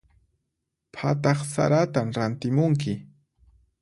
Phataq saratan rantimunki.